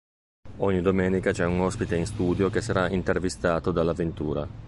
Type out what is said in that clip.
Ogni domenica c'è un ospite in studio che sarà intervistato dalla Ventura.